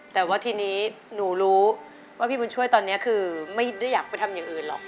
แต่ว่าทีนี้หนูรู้ว่าพี่บุญช่วยตอนนี้คือไม่ได้อยากไปทำอย่างอื่นหรอก